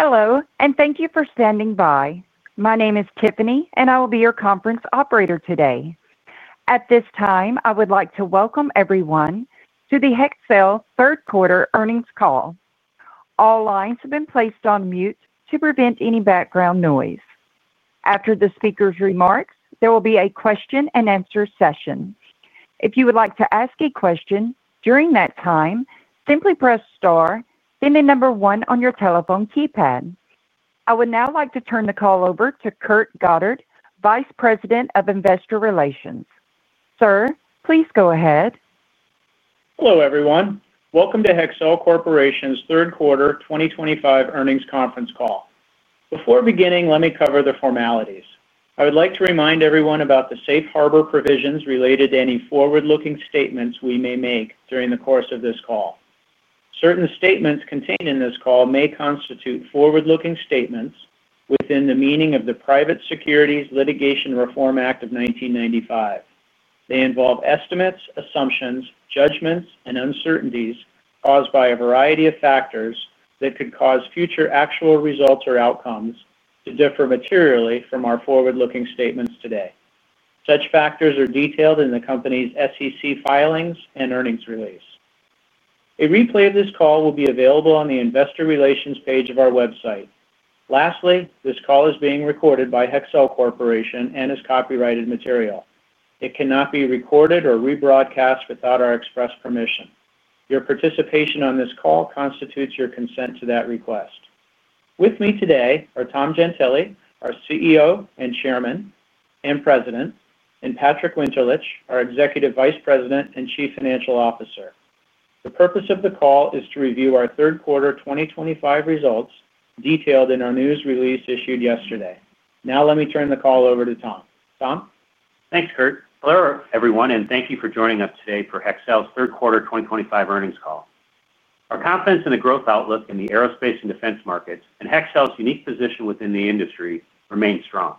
Hello, and thank you for standing by. My name is Tiffany, and I will be your conference operator today. At this time, I would like to welcome everyone to the Hexcel third quarter earnings call. All lines have been placed on mute to prevent any background noise. After the speaker's remarks, there will be a question-and-answer session. If you would like to ask a question during that time, simply press star, then the number one on your telephone keypad. I would now like to turn the call over to Kurt Goddard, Vice President of Investor Relations. Sir, please go ahead. Hello everyone. Welcome to Hexcel Corporation's third quarter 2025 earnings conference call. Before beginning, let me cover the formalities. I would like to remind everyone about the safe harbor provisions related to any forward-looking statements we may make during the course of this call. Certain statements contained in this call may constitute forward-looking statements within the meaning of the Private Securities Litigation Reform Act of 1995. They involve estimates, assumptions, judgments, and uncertainties caused by a variety of factors that could cause future actual results or outcomes to differ materially from our forward-looking statements today. Such factors are detailed in the company's SEC filings and earnings release. A replay of this call will be available on the Investor Relations page of our website. Lastly, this call is being recorded by Hexcel Corporation and is copyrighted material. It cannot be recorded or rebroadcast without our express permission. Your participation on this call constitutes your consent to that request. With me today are Tom Gentile, our CEO and Chairman and President, and Patrick Winterlich, our Executive Vice President and Chief Financial Officer. The purpose of the call is to review our third quarter 2025 results detailed in our news release issued yesterday. Now let me turn the call over to Tom. Tom? Thanks, Kurt. Hello everyone, and thank you for joining us today for Hexcel's third quarter 2025 earnings call. Our confidence in the growth outlook in the aerospace and defense markets and Hexcel's unique position within the industry remains strong.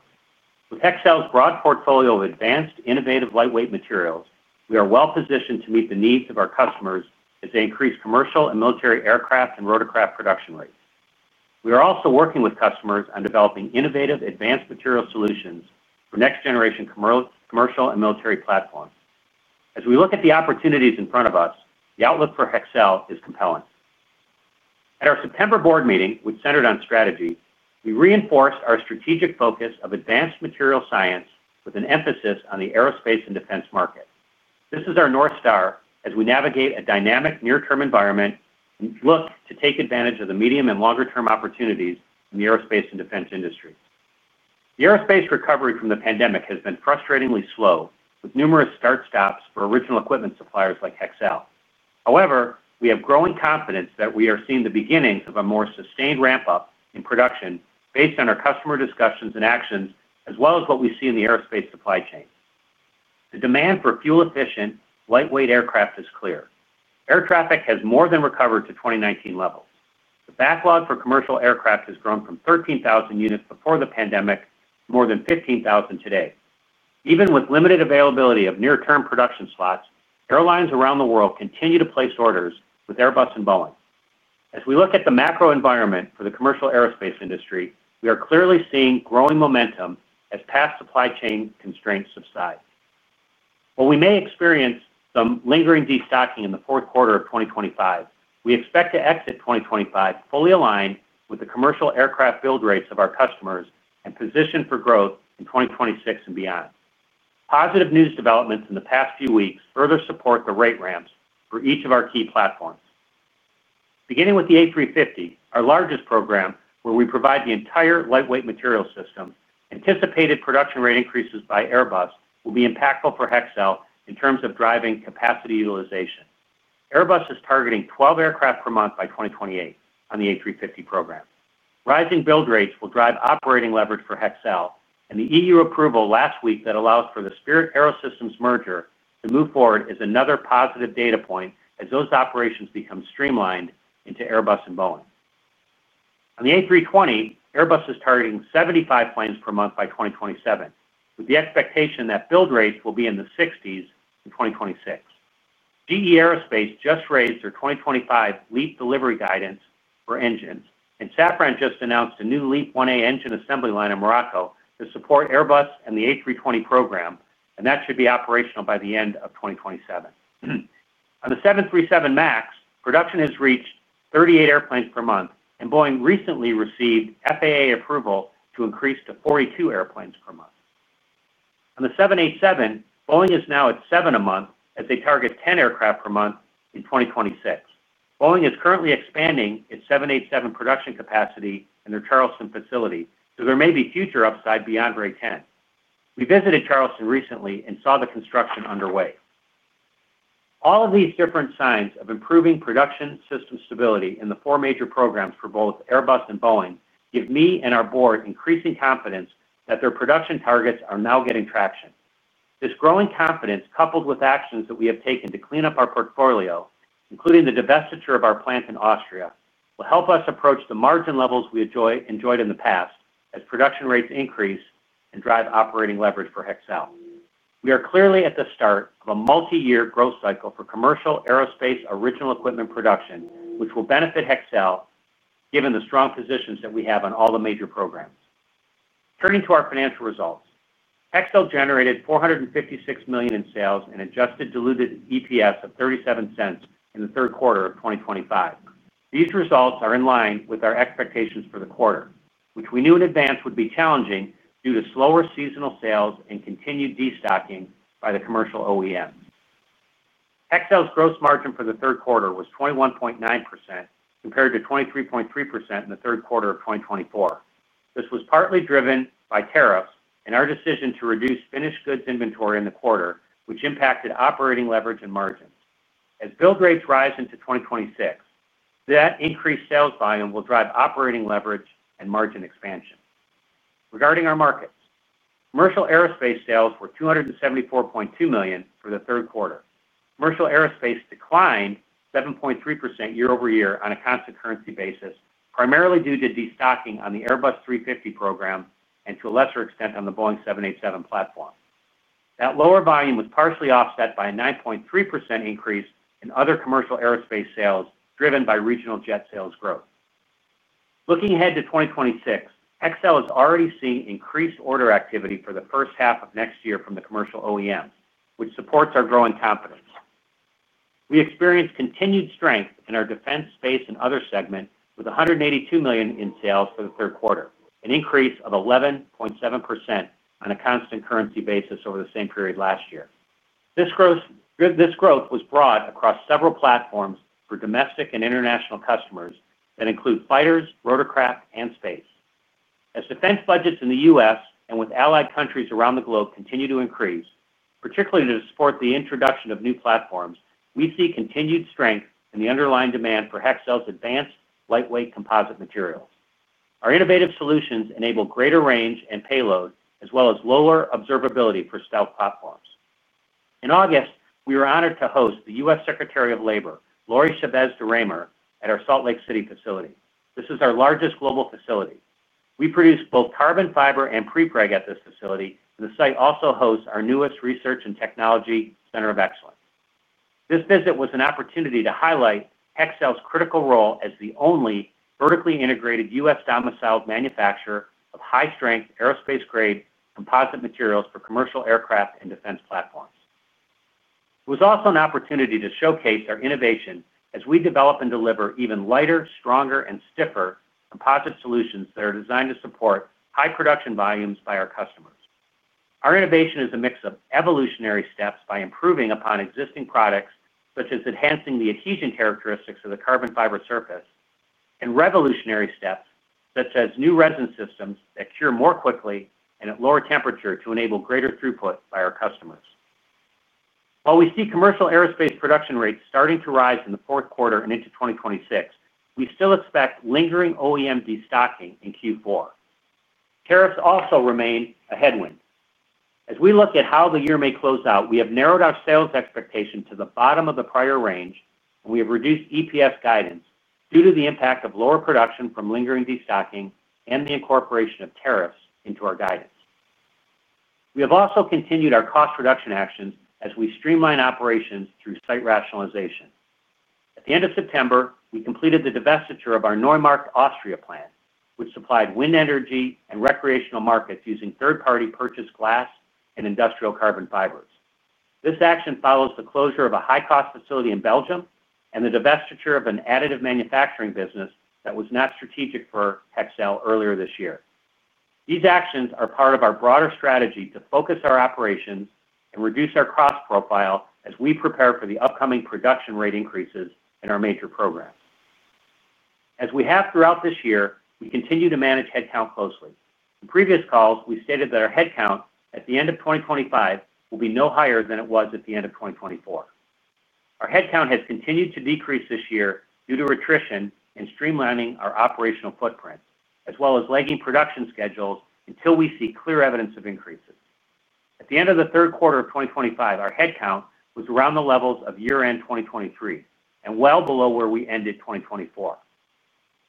With Hexcel's broad portfolio of advanced, innovative lightweight materials, we are well positioned to meet the needs of our customers as they increase commercial and military aircraft and rotorcraft production rates. We are also working with customers on developing innovative advanced material solutions for next-generation commercial and military platforms. As we look at the opportunities in front of us, the outlook for Hexcel is compelling. At our September board meeting, which centered on strategy, we reinforced our strategic focus of advanced material science with an emphasis on the aerospace and defense market. This is our North Star as we navigate a dynamic near-term environment and look to take advantage of the medium and longer-term opportunities in the aerospace and defense industry. The aerospace recovery from the pandemic has been frustratingly slow, with numerous start stops for original equipment suppliers like Hexcel. However, we have growing confidence that we are seeing the beginnings of a more sustained ramp-up in production based on our customer discussions and actions, as well as what we see in the aerospace supply chain. The demand for fuel-efficient, lightweight aircraft is clear. Air traffic has more than recovered to 2019 levels. The backlog for commercial aircraft has grown from 13,000 units before the pandemic to more than 15,000 today. Even with limited availability of near-term production slots, airlines around the world continue to place orders with Airbus and Boeing. As we look at the macro environment for the commercial aerospace industry, we are clearly seeing growing momentum as past supply chain constraints subside. While we may experience some lingering destocking in the fourth quarter of 2025, we expect to exit 2025 fully aligned with the commercial aircraft build rates of our customers and positioned for growth in 2026 and beyond. Positive news developments in the past few weeks further support the rate ramps for each of our key platforms. Beginning with the A350, our largest program where we provide the entire lightweight material system, anticipated production rate increases by Airbus will be impactful for Hexcel in terms of driving capacity utilization. Airbus is targeting 12 aircraft per month by 2028 on the A350 program. Rising build rates will drive operating leverage for Hexcel, and the EU approval last week that allows for the Spirit AeroSystems merger to move forward is another positive data point as those operations become streamlined into Airbus and Boeing. On the A320, Airbus is targeting 75 planes per month by 2027, with the expectation that build rates will be in the 60s in 2026. GE Aerospace just raised their 2025 LEAP delivery guidance for engines, and Safran just announced a new LEAP-1A engine assembly line in Morocco to support Airbus and the A320 program, and that should be operational by the end of 2027. On the 737 MAX, production has reached 38 airplanes per month, and Boeing recently received FAA approval to increase to 42 airplanes per month. On the 787, Boeing is now at seven a month as they target 10 aircraft per month in 2026. Boeing is currently expanding its 787 production capacity in their Charleston facility, so there may be future upside beyond rate 10. We visited Charleston recently and saw the construction underway. All of these different signs of improving production system stability in the four major programs for both Airbus and Boeing give me and our board increasing confidence that their production targets are now getting traction. This growing confidence, coupled with actions that we have taken to clean up our portfolio, including the divestiture of our plant in Austria, will help us approach the margin levels we enjoyed in the past as production rates increase and drive operating leverage for Hexcel. We are clearly at the start of a multi-year growth cycle for commercial aerospace original equipment production, which will benefit Hexcel, given the strong positions that we have on all the major programs. Turning to our financial results, Hexcel generated $456 million in sales and adjusted diluted EPS of $0.37 in the third quarter of 2025. These results are in line with our expectations for the quarter, which we knew in advance would be challenging due to slower seasonal sales and continued destocking by the commercial OEMs. Hexcel's gross margin for the third quarter was 21.9% compared to 23.3% in the third quarter of 2024. This was partly driven by tariffs and our decision to reduce finished goods inventory in the quarter, which impacted operating leverage and margins. As build rates rise into 2026, that increased sales volume will drive operating leverage and margin expansion. Regarding our markets, commercial aerospace sales were $274.2 million for the third quarter. Commercial aerospace declined 7.3% year-over-year on a constant currency basis, primarily due to destocking on the Airbus A350 program and to a lesser extent on the Boeing 787 platform. That lower volume was partially offset by a 9.3% increase in other commercial aerospace sales driven by regional jet sales growth. Looking ahead to 2026, Hexcel is already seeing increased order activity for the first half of next year from the commercial OEMs, which supports our growing confidence. We experienced continued strength in our defense, space, and other segment with $182 million in sales for the third quarter, an increase of 11.7% on a constant currency basis over the same period last year. This growth was brought across several platforms for domestic and international customers that include fighters, rotorcraft, and space. As defense budgets in the U.S. and with allied countries around the globe continue to increase, particularly to support the introduction of new platforms, we see continued strength in the underlying demand for Hexcel's advanced lightweight composite materials. Our innovative solutions enable greater range and payload, as well as lower observability for stealth platforms. In August, we were honored to host the U.S. Secretary of Labor, Laurie Chavez-DeRemer, at our Salt Lake City facility. This is our largest global facility. We produce both carbon fiber and prepreg at this facility, and the site also hosts our newest research and technology center of excellence. This visit was an opportunity to highlight Hexcel's critical role as the only vertically integrated U.S.-domiciled manufacturer of high-strength aerospace-grade composite materials for commercial aircraft and defense platforms. It was also an opportunity to showcase our innovation as we develop and deliver even lighter, stronger, and stiffer composite solutions that are designed to support high production volumes by our customers. Our innovation is a mix of evolutionary steps by improving upon existing products, such as enhancing the adhesion characteristics of the carbon fiber surface, and revolutionary steps such as new resin systems that cure more quickly and at lower temperature to enable greater throughput by our customers. While we see commercial aerospace production rates starting to rise in the fourth quarter and into 2026, we still expect lingering OEM destocking in Q4. Tariffs also remain a headwind. As we look at how the year may close out, we have narrowed our sales expectation to the bottom of the prior range, and we have reduced EPS guidance due to the impact of lower production from lingering destocking and the incorporation of tariffs into our guidance. We have also continued our cost reduction actions as we streamline operations through site rationalization. At the end of September, we completed the divestiture of our Neumarkt, Austria plant, which supplied wind energy and recreational markets using third-party purchased glass and industrial carbon fibers. This action follows the closure of a high-cost facility in Belgium and the divestiture of an additive manufacturing business that was not strategic for Hexcel earlier this year. These actions are part of our broader strategy to focus our operations and reduce our cost profile as we prepare for the upcoming production rate increases in our major programs. As we have throughout this year, we continue to manage headcount closely. In previous calls, we stated that our headcount at the end of 2025 will be no higher than it was at the end of 2024. Our headcount has continued to decrease this year due to attrition and streamlining our operational footprints, as well as lagging production schedules until we see clear evidence of increases. At the end of the third quarter of 2025, our headcount was around the levels of year-end 2023 and well below where we ended 2024.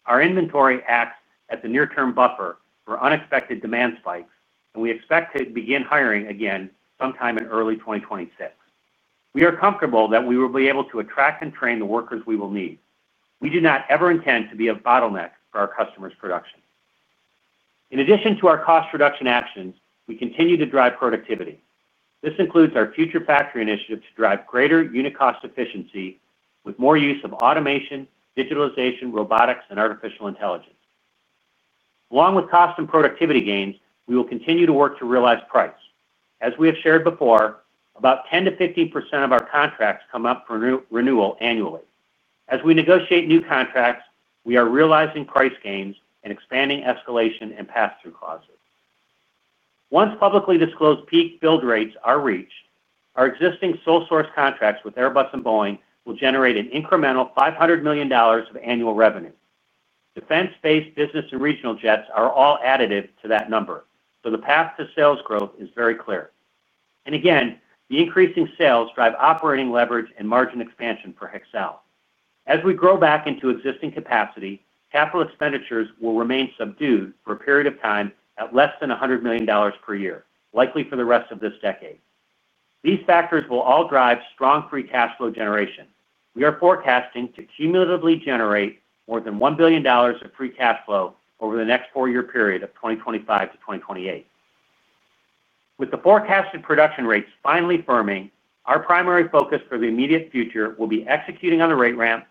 Our inventory acts as a near-term buffer for unexpected demand spikes, and we expect to begin hiring again sometime in early 2026. We are comfortable that we will be able to attract and train the workers we will need. We do not ever intend to be a bottleneck for our customers' production. In addition to our cost reduction actions, we continue to drive productivity. This includes our future factory program to drive greater unit cost efficiency with more use of automation, digitalization, robotics, and artificial intelligence. Along with cost and productivity gains, we will continue to work to realize price. As we have shared before, about 10%-15% of our contracts come up for renewal annually. As we negotiate new contracts, we are realizing price gains and expanding escalation and pass-through clauses. Once publicly disclosed peak build rates are reached, our existing sole source contracts with Airbus and Boeing will generate an incremental $500 million of annual revenue. Defense-based business and regional jets are all additive to that number, so the path to sales growth is very clear. The increasing sales drive operating leverage and margin expansion for Hexcel. As we grow back into existing capacity, capital expenditures will remain subdued for a period of time at less than $100 million per year, likely for the rest of this decade. These factors will all drive strong free cash flow generation. We are forecasting to cumulatively generate more than $1 billion of free cash flow over the next four-year period of 2025 to 2028. With the forecasted production rates finally firming, our primary focus for the immediate future will be executing on the rate ramp,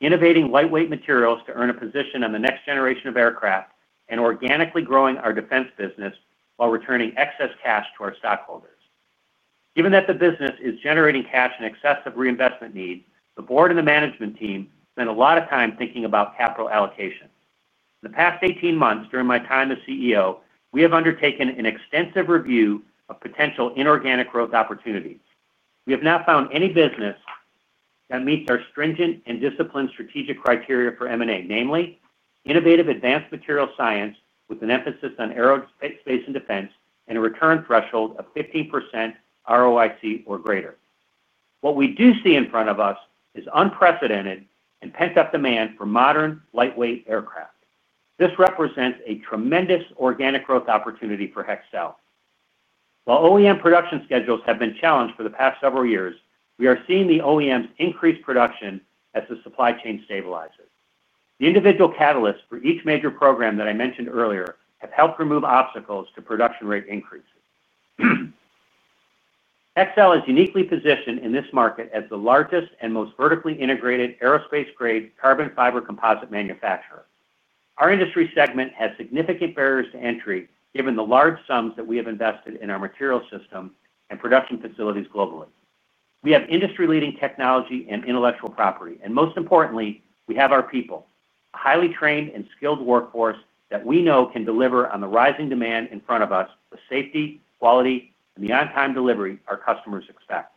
innovating lightweight materials to earn a position on the next generation of aircraft, and organically growing our defense business while returning excess cash to our stockholders. Given that the business is generating cash in excess of reinvestment needs, the Board and the management team spent a lot of time thinking about capital allocation. In the past 18 months during my time as CEO, we have undertaken an extensive review of potential inorganic growth opportunities. We have not found any business that meets our stringent and disciplined strategic criteria for M&A, namely innovative advanced material science with an emphasis on aerospace and defense and a return threshold of 15% ROIC or greater. What we do see in front of us is unprecedented and pent-up demand for modern lightweight aircraft. This represents a tremendous organic growth opportunity for Hexcel. While OEM production schedules have been challenged for the past several years, we are seeing the OEMs increase production as the supply chain stabilizes. The individual catalysts for each major program that I mentioned earlier have helped remove obstacles to production rate increases. Hexcel is uniquely positioned in this market as the largest and most vertically integrated aerospace-grade carbon fiber composite manufacturer. Our industry segment has significant barriers to entry given the large sums that we have invested in our material system and production facilities globally. We have industry-leading technology and intellectual property, and most importantly, we have our people, a highly trained and skilled workforce that we know can deliver on the rising demand in front of us with safety, quality, and the on-time delivery our customers expect.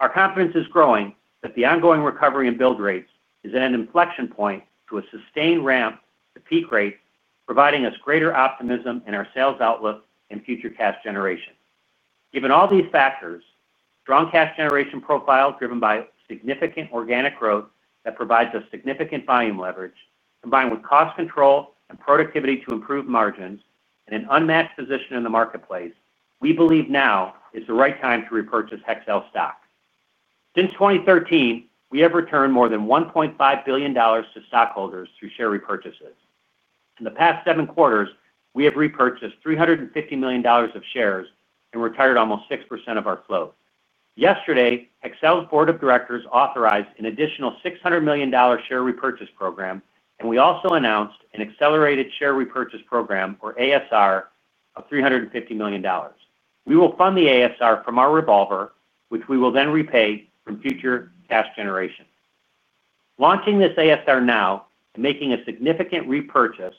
Our confidence is growing that the ongoing recovery in build rates is at an inflection point to a sustained ramp to peak rates, providing us greater optimism in our sales outlook and future cash generation. Given all these factors, strong cash generation profile driven by significant organic growth that provides us significant volume leverage combined with cost control and productivity to improve margins and an unmatched position in the marketplace, we believe now is the right time to repurchase Hexcel stock. Since 2013, we have returned more than $1.5 billion to stockholders through share repurchases. In the past seven quarters, we have repurchased $350 million of shares and retired almost 6% of our flows. Yesterday, Hexcel's board of directors authorized an additional $600 million share repurchase program, and we also announced an accelerated share repurchase program, or ASR, of $350 million. We will fund the ASR from our revolver, which we will then repay from future cash generation. Launching this ASR now and making a significant repurchase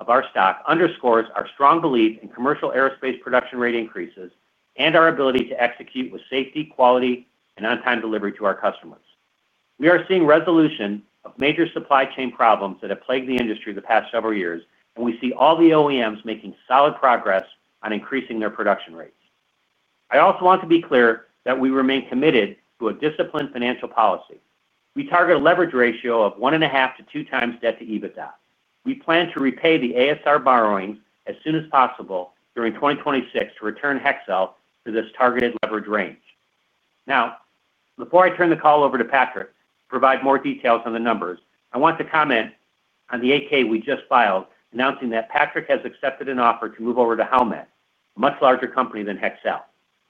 of our stock underscores our strong belief in commercial aerospace production rate increases and our ability to execute with safety, quality, and on-time delivery to our customers. We are seeing resolution of major supply chain problems that have plagued the industry the past several years, and we see all the OEMs making solid progress on increasing their production rates. I also want to be clear that we remain committed to a disciplined financial policy. We target a leverage ratio of 1.5x-2x debt/EBITDA. We plan to repay the ASR borrowings as soon as possible during 2026 to return Hexcel to this targeted leverage range. Now, before I turn the call over to Patrick to provide more details on the numbers, I want to comment on the 8-K we just filed, announcing that Patrick has accepted an offer to move over to Howmet, a much larger company than Hexcel.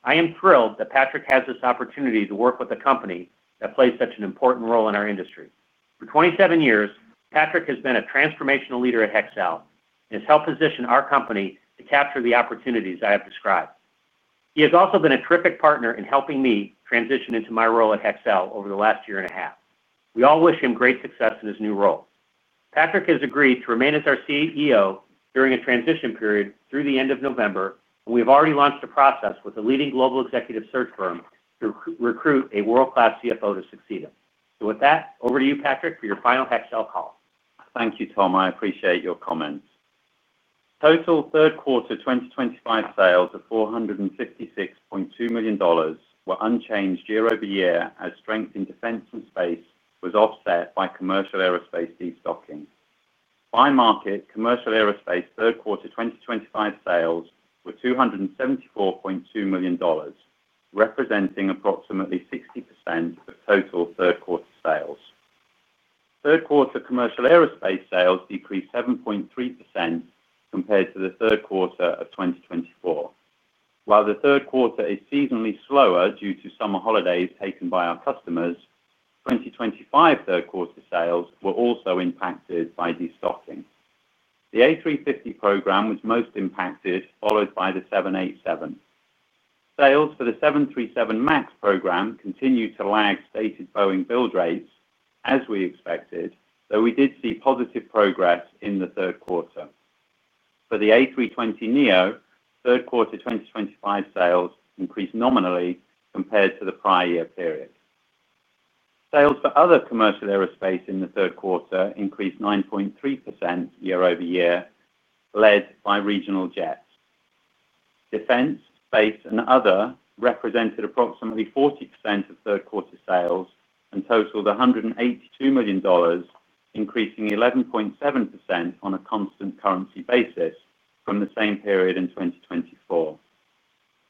I am thrilled that Patrick has this opportunity to work with a company that plays such an important role in our industry. For 27 years, Patrick has been a transformational leader at Hexcel and has helped position our company to capture the opportunities I have described. He has also been a terrific partner in helping me transition into my role at Hexcel over the last year and a half. We all wish him great success in his new role. Patrick has agreed to remain as our CFO during a transition period through the end of November, and we have already launched a process with a leading global executive search firm to recruit a world-class CFO to succeed him. With that, over to you, Patrick, for your final Hexcel call. Thank you, Tom. I appreciate your comments. Total third quarter 2025 sales of $456.2 million were unchanged year-over-year as strength in defense and space was offset by commercial aerospace destocking. By market, commercial aerospace third quarter 2025 sales were $274.2 million, representing approximately 60% of total third quarter sales. Third quarter commercial aerospace sales decreased 7.3% compared to the third quarter of 2024. While the third quarter is seasonally slower due to summer holidays taken by our customers, 2025 third quarter sales were also impacted by destocking. The A350 program was most impacted, followed by the 787. Sales for the 737 MAX program continue to lag stated Boeing build rates as we expected, though we did see positive progress in the third quarter. For the A320, third quarter 2025 sales increased nominally compared to the prior year period. Sales for other commercial aerospace in the third quarter increased 9.3% year-over-year, led by regional jets. Defense, space, and other represented approximately 40% of third quarter sales and totaled $182 million, increasing 11.7% on a constant currency basis from the same period in 2024.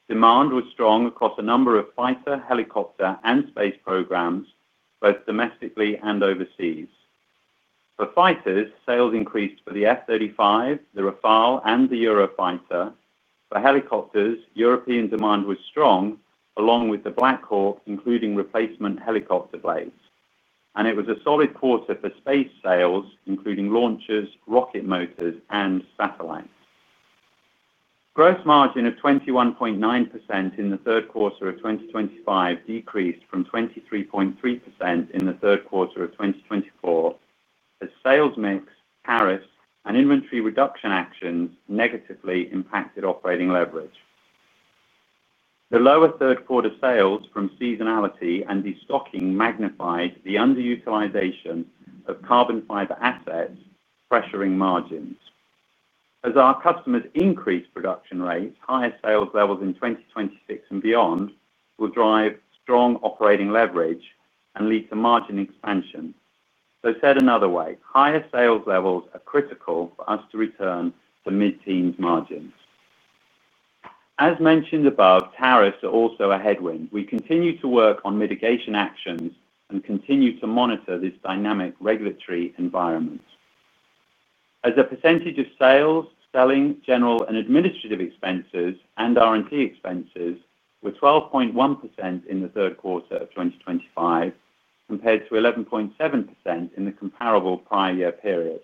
Demand was strong across a number of fighter, helicopter, and space programs, both domestically and overseas. For fighters, sales increased for the F-35, the Rafale, and the Eurofighter. For helicopters, European demand was strong, along with the Black Hawk, including replacement helicopter blades. It was a solid quarter for space sales, including launchers, rocket motors, and satellites. Gross margin of 21.9% in the third quarter of 2025 decreased from 23.3% in the third quarter of 2024 as sales mix, tariffs, and inventory reduction actions negatively impacted operating leverage. The lower third quarter sales from seasonality and destocking magnified the underutilization of carbon fiber assets, pressuring margins. As our customers increase production rates, higher sales levels in 2026 and beyond will drive strong operating leverage and lead to margin expansion. Higher sales levels are critical for us to return to mid-teens margins. As mentioned above, tariffs are also a headwind. We continue to work on mitigation actions and continue to monitor this dynamic regulatory environment. As a percentage of sales, selling, general, and administrative expenses, and R&D expenses were 12.1% in the third quarter of 2025 compared to 11.7% in the comparable prior year period.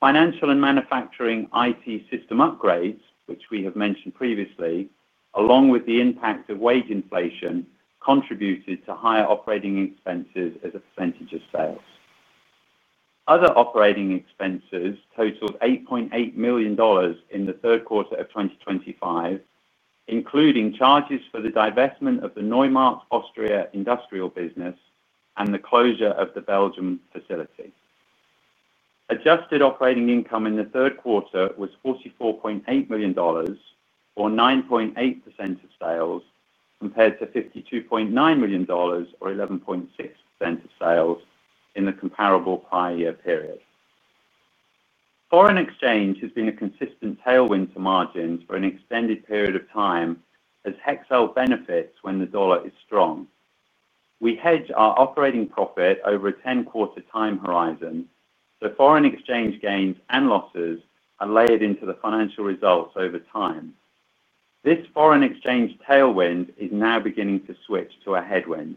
Financial and manufacturing IT system upgrades, which we have mentioned previously, along with the impact of wage inflation, contributed to higher operating expenses as a percentage of sales. Other operating expenses totaled $8.8 million in the third quarter of 2025, including charges for the divestment of the Neumarkt, Austria, industrial business and the closure of the Belgium facility. Adjusted operating income in the third quarter was $44.8 million, or 9.8% of sales, compared to $52.9 million, or 11.6% of sales in the comparable prior year period. Foreign exchange has been a consistent tailwind to margins for an extended period of time as Hexcel benefits when the dollar is strong. We hedge our operating profit over a 10-quarter time horizon, so foreign exchange gains and losses are layered into the financial results over time. This foreign exchange tailwind is now beginning to switch to a headwind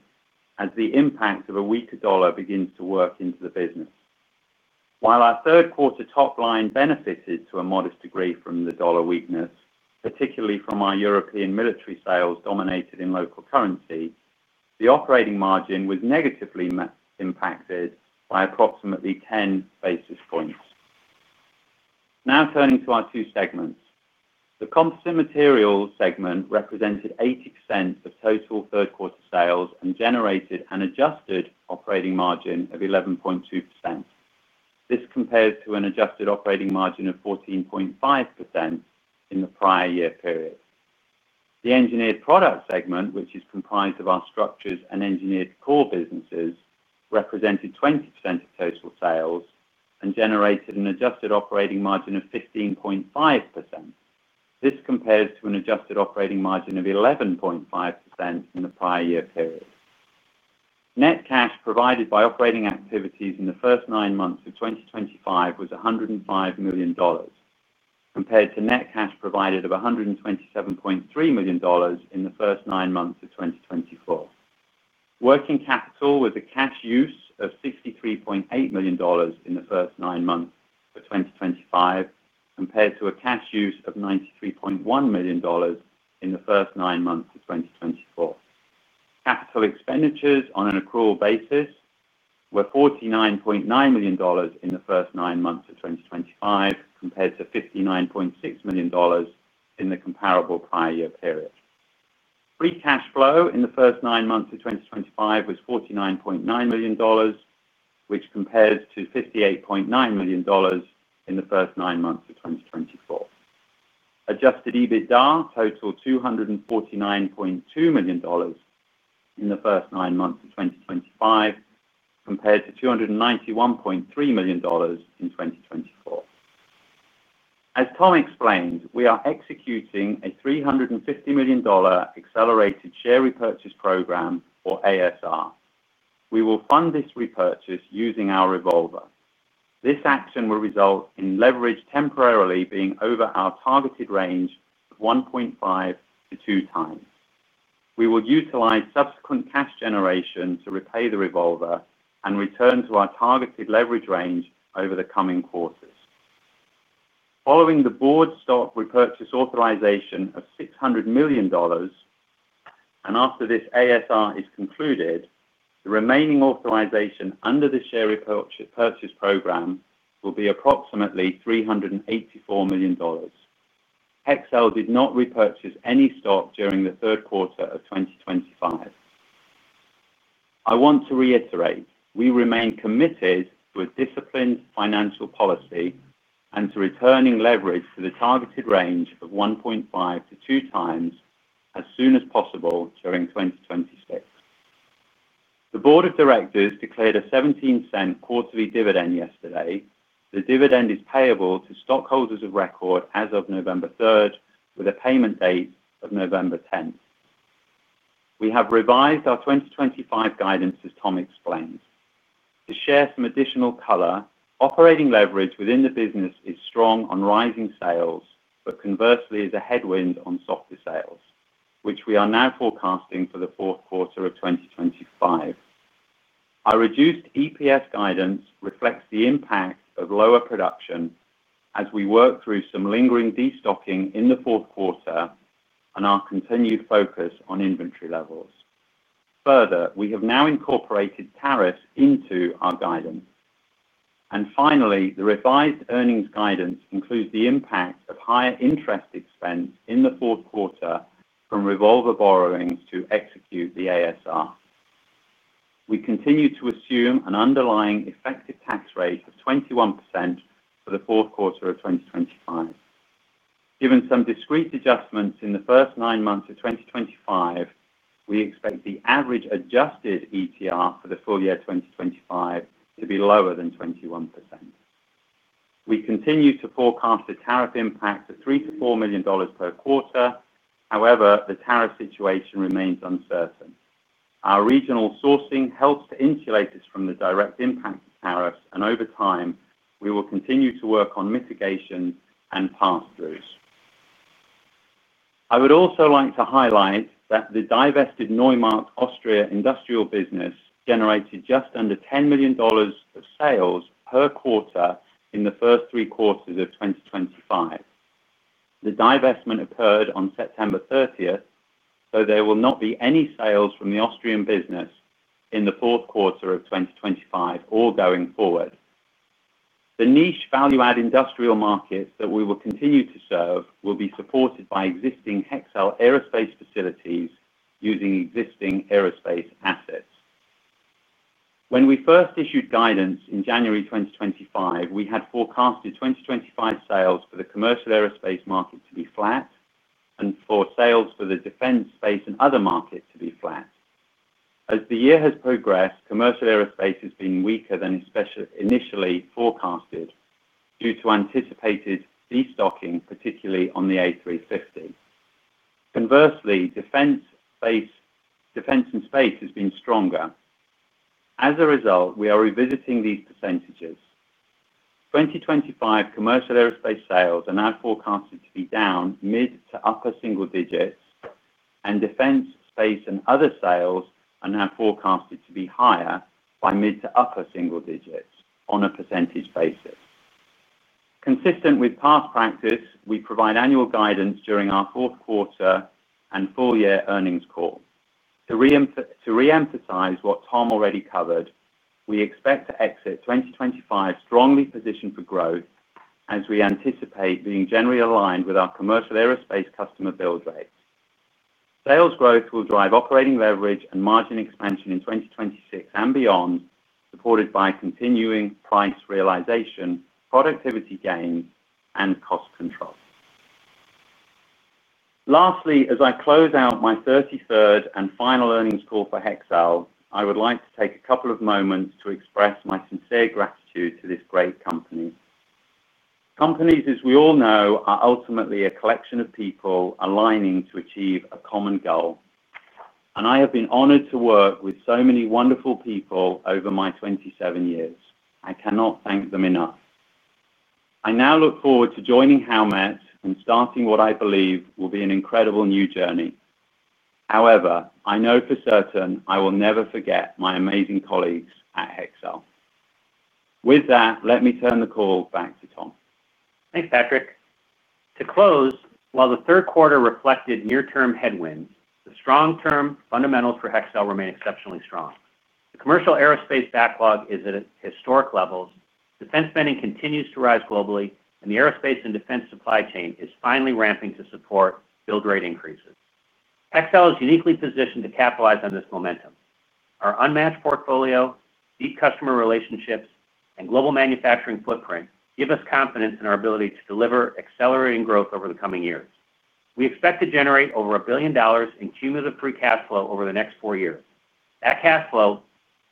as the impact of a weaker dollar begins to work into the business. While our third quarter top line benefited to a modest degree from the dollar weakness, particularly from our European military sales denominated in local currency, the operating margin was negatively impacted by approximately 10 basis points. Now turning to our two segments, the composite materials segment represented 80% of total third quarter sales and generated an adjusted operating margin of 11.2%. This compares to an adjusted operating margin of 14.5% in the prior year period. The engineered products segment, which is comprised of our structures and engineered core businesses, represented 20% of total sales and generated an adjusted operating margin of 15.5%. This compares to an adjusted operating margin of 11.5% in the prior year period. Net cash provided by operating activities in the first nine months of 2025 was $105 million, compared to net cash provided of $127.3 million in the first nine months of 2024. Working capital was a cash use of $63.8 million in the first nine months of 2025, compared to a cash use of $93.1 million in the first nine months of 2024. Capital expenditures on an accrual basis were $49.9 million in the first nine months of 2025, compared to $59.6 million in the comparable prior year period. Free cash flow in the first nine months of 2025 was $49.9 million, which compares to $58.9 million in the first nine months of 2024. Adjusted EBITDA totaled $249.2 million in the first nine months of 2025, compared to $291.3 million in 2024. As Tom explained, we are executing a $350 million accelerated share repurchase program, or ASR. We will fund this repurchase using our revolver. This action will result in leverage temporarily being over our targeted range of 1.5x-2x. We will utilize subsequent cash generation to repay the revolver and return to our targeted leverage range over the coming quarters. Following the board stock repurchase authorization of $600 million, and after this ASR is concluded, the remaining authorization under the share repurchase program will be approximately $384 million. Hexcel did not repurchase any stock during the third quarter of 2025. I want to reiterate we remain committed to a disciplined financial policy and to returning leverage to the targeted range of 1.5x-2x as soon as possible during 2026. The Board of Directors declared a $0.17 quarterly dividend yesterday. The dividend is payable to stockholders of record as of November 3rd, with a payment date of November 10. We have revised our 2025 guidance, as Tom explained. To share some additional color, operating leverage within the business is strong on rising sales, but conversely is a headwind on softer sales, which we are now forecasting for the fourth quarter of 2025. Our reduced EPS guidance reflects the impact of lower production as we work through some lingering destocking in the fourth quarter and our continued focus on inventory levels. Further, we have now incorporated tariffs into our guidance. Finally, the revised earnings guidance includes the impact of higher interest expense in the fourth quarter from revolver borrowings to execute the ASR. We continue to assume an underlying effective tax rate of 21% for the fourth quarter of 2025. Given some discrete adjustments in the first nine months of 2025, we expect the average adjusted ETR for the full year 2025 to be lower than 21%. We continue to forecast a tariff impact of $3 million-$4 million per quarter. However, the tariff situation remains uncertain. Our regional sourcing helps to insulate us from the direct impact of tariffs, and over time, we will continue to work on mitigation and pass-throughs. I would also like to highlight that the divested Neumarkt, Austria industrial business generated just under $10 million of sales per quarter in the first three quarters of 2025. The divestment occurred on September 30th, so there will not be any sales from the Austrian business in the fourth quarter of 2025 or going forward. The niche value-add industrial markets that we will continue to serve will be supported by existing Hexcel aerospace facilities using existing aerospace assets. When we first issued guidance in January 2025, we had forecasted 2025 sales for the commercial aerospace market to be flat and for sales for the defense, space, and other markets to be flat. As the year has progressed, commercial aerospace has been weaker than initially forecasted due to anticipated destocking, particularly on the A350. Conversely, defense and space has been stronger. As a result, we are revisiting these percentages. 2025 commercial aerospace sales are now forecasted to be down mid to upper single digits, and defense, space, and other sales are now forecasted to be higher by mid to upper single digits on a percentage basis. Consistent with past practice, we provide annual guidance during our fourth quarter and full year earnings call. To reemphasize what Tom already covered, we expect to exit 2025 strongly positioned for growth as we anticipate being generally aligned with our commercial aerospace customer build rates. Sales growth will drive operating leverage and margin expansion in 2026 and beyond, supported by continuing price realization, productivity gains, and cost control. Lastly, as I close out my 33rd and final earnings call for Hexcel, I would like to take a couple of moments to express my sincere gratitude to this great company. Companies, as we all know, are ultimately a collection of people aligning to achieve a common goal. I have been honored to work with so many wonderful people over my 27 years. I cannot thank them enough. I now look forward to joining Howmet and starting what I believe will be an incredible new journey. However, I know for certain I will never forget my amazing colleagues at Hexcel. With that, let me turn the call back to Tom. Thanks, Patrick. To close, while the third quarter reflected near-term headwinds, the strong term fundamentals for Hexcel remain exceptionally strong. The commercial aerospace backlog is at historic levels, defense spending continues to rise globally, and the aerospace and defense supply chain is finally ramping to support build rate increases. Hexcel is uniquely positioned to capitalize on this momentum. Our unmatched portfolio, deep customer relationships, and global manufacturing footprint give us confidence in our ability to deliver accelerating growth over the coming years. We expect to generate over $1 billion in cumulative free cash flow over the next four years. That cash flow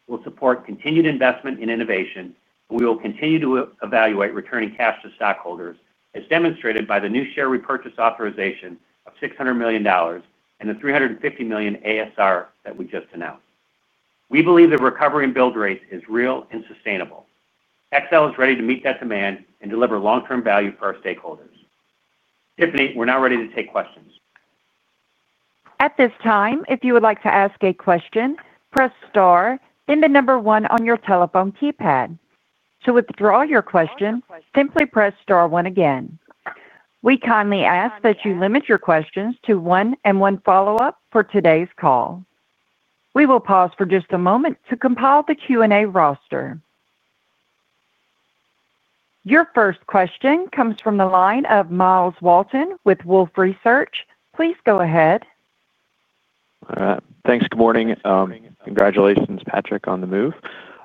will support continued investment in innovation, and we will continue to evaluate returning cash to stockholders, as demonstrated by the new share repurchase authorization of $600 million and the $350 million ASR that we just announced. We believe the recovery in build rates is real and sustainable. Hexcel is ready to meet that demand and deliver long-term value for our stakeholders. Tiffany, we're now ready to take questions. At this time, if you would like to ask a question, press star and the number one on your telephone keypad. To withdraw your question, simply press star one again. We kindly ask that you limit your questions to one and one follow-up for today's call. We will pause for just a moment to compile the Q&A roster. Your first question comes from the line of Myles Walton with Wolfe Research. Please go ahead. All right. Thanks. Good morning. Congratulations, Patrick, on the move.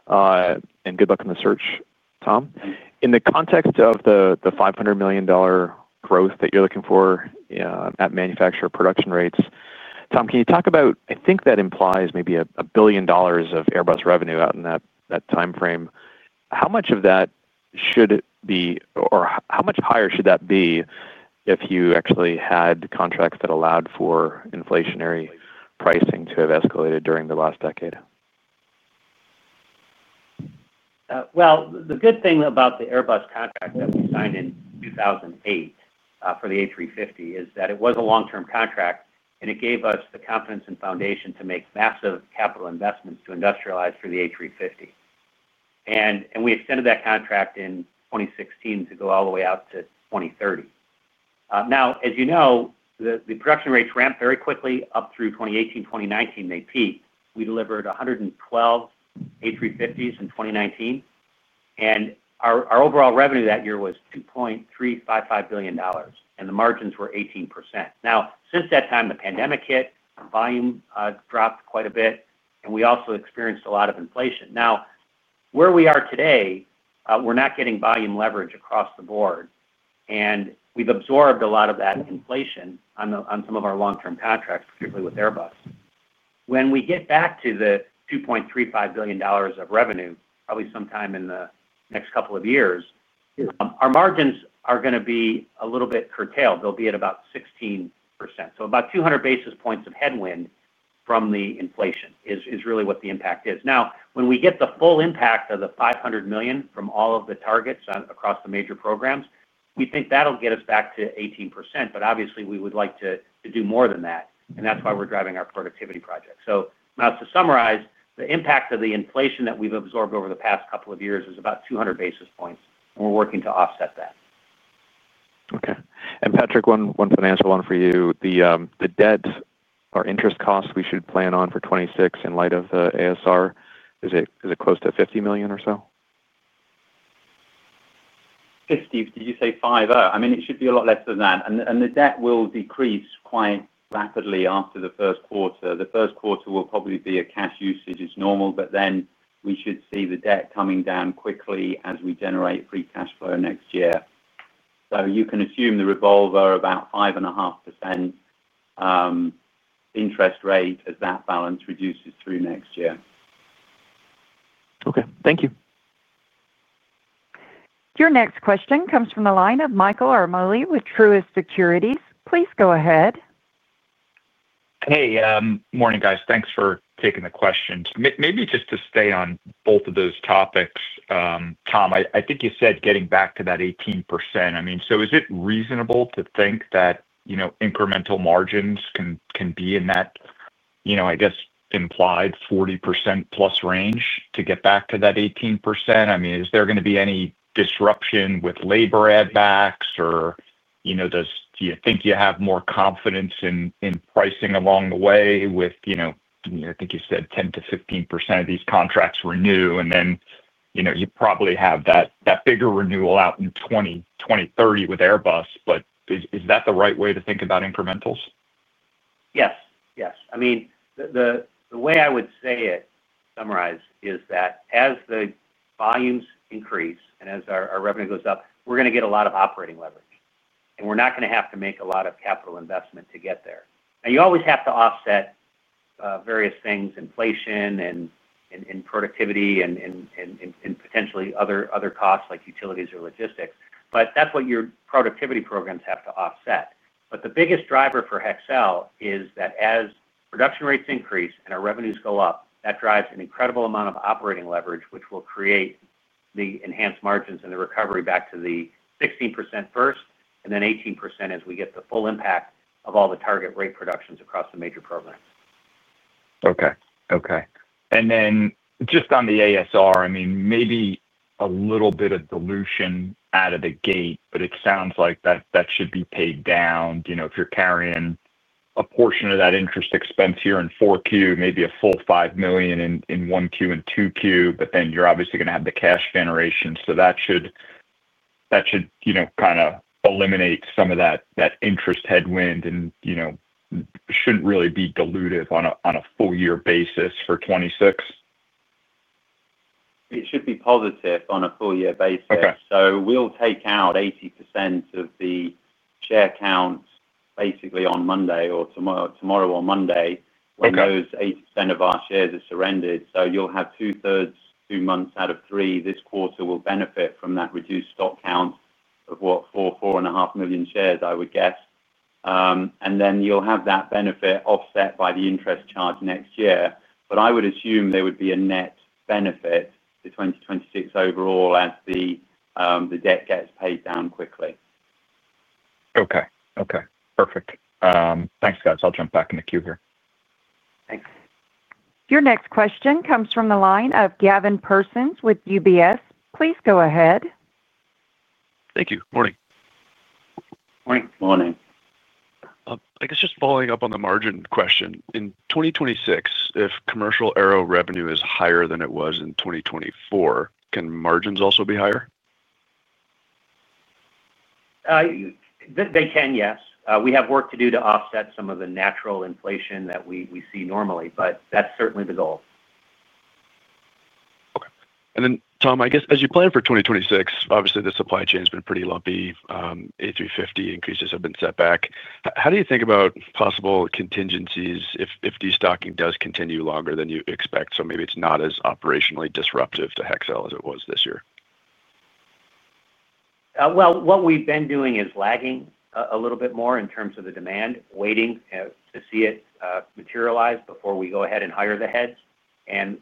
Good luck on the search, Tom. In the context of the $500 million growth that you're looking for at manufacturer production rates, Tom, can you talk about, I think that implies maybe $1 billion of Airbus revenue out in that timeframe. How much of that should it be, or how much higher should that be if you actually had contracts that allowed for inflationary pricing to have escalated during the last decade? The good thing about the Airbus contract that we signed in 2008 for the A350 is that it was a long-term contract, and it gave us the confidence and foundation to make massive capital investments to industrialize for the A350. We extended that contract in 2016 to go all the way out to 2030. As you know, the production rates ramped very quickly up through 2018, 2019. They peaked. We delivered 112 A350s in 2019, and our overall revenue that year was $2.355 billion, and the margins were 18%. Since that time, the pandemic hit, volume dropped quite a bit, and we also experienced a lot of inflation. Where we are today, we're not getting volume leverage across the board, and we've absorbed a lot of that inflation on some of our long-term contracts, particularly with Airbus. When we get back to the $2.35 billion of revenue, probably sometime in the next couple of years, our margins are going to be a little bit curtailed. They'll be at about 16%. About 200 basis points of headwind from the inflation is really what the impact is. When we get the full impact of the $500 million from all of the targets across the major programs, we think that'll get us back to 18%. Obviously, we would like to do more than that, and that's why we're driving our productivity project. To summarize, the impact of the inflation that we've absorbed over the past couple of years is about 200 basis points, and we're working to offset that. Okay. Patrick, one financial one for you. The debt or interest costs we should plan on for 2026, in light of the ASR, is it close to $50 million or so? Did you say 5? I mean, it should be a lot less than that. The debt will decrease quite rapidly after the first quarter. The first quarter will probably be a cash usage, which is normal, but we should see the debt coming down quickly as we generate free cash flow next year. You can assume the revolver, about 5.5% interest rate, as that balance reduces through next year. Okay, thank you. Your next question comes from the line of Michael Ciarmoli with Truist Securities. Please go ahead. Hey. Morning guys. Thanks for taking the question. Maybe just to stay on both of those topics, Tom, I think you said getting back to that 18%. Is it reasonable to think that, you know, incremental margins can be in that, you know, I guess, implied 40%+ range to get back to that 18%? Is there going to be any disruption with labor add-backs, or do you think you have more confidence in pricing along the way with, you know, I think you said 10%-15% of these contracts renew, and you probably have that bigger renewal out in 2030 with Airbus. Is that the right way to think about incrementals? Yes. I mean, the way I would say it summarized is that as the volumes increase and as our revenue goes up, we're going to get a lot of operating leverage, and we're not going to have to make a lot of capital investment to get there. You always have to offset various things, inflation and productivity and potentially other costs like utilities or logistics, but that's what your productivity programs have to offset. The biggest driver for Hexcel is that as production rates increase and our revenues go up, that drives an incredible amount of operating leverage, which will create the enhanced margins and the recovery back to the 16% first and then 18% as we get the full impact of all the target rate productions across the major programs. Okay. On the ASR, maybe a little bit of dilution out of the gate, but it sounds like that should be paid down. If you're carrying a portion of that interest expense here in 4Q, maybe a full $5 million in 1Q and 2Q, but then you're obviously going to have the cash generation. That should kind of eliminate some of that interest headwind and shouldn't really be dilutive on a full-year basis for 2026? It should be positive on a full-year basis. We'll take out 80% of the share count basically tomorrow or Monday when those 80% of our shares are surrendered. You'll have two-thirds, two months out of three this quarter will benefit from that reduced stock count of, what, four, four and a half million shares, I would guess. You'll have that benefit offset by the interest charge next year. I would assume there would be a net benefit to 2026 overall as the debt gets paid down quickly. Okay. Perfect. Thanks, guys. I'll jump back in the queue here. Thanks. Your next question comes from the line of Gavin Parsons with UBS. Please go ahead. Thank you. Good morning. Morning. Morning. I guess just following up on the margin question, in 2026, if commercial aero revenue is higher than it was in 2024, can margins also be higher? They can, yes. We have work to do to offset some of the natural inflation that we see normally, but that's certainly the goal. Okay. Tom, I guess as you plan for 2026, obviously the supply chain has been pretty lumpy. A350 increases have been set back. How do you think about possible contingencies if destocking does continue longer than you expect? Maybe it's not as operationally disruptive to Hexcel as it was this year. What we've been doing is lagging a little bit more in terms of the demand, waiting to see it materialize before we go ahead and hire the heads.